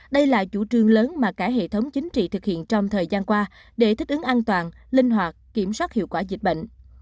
đây là chủ trương lớn mà cả hệ thống chính trị thực hiện trong thời gian qua để thích ứng an toàn linh hoạt kiểm soát hiệu quả dịch bệnh